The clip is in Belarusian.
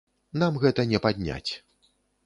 Нам гэта не падняць.